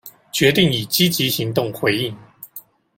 決定以積極行動回應